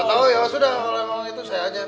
gak tau ya sudah kalau emang itu saya aja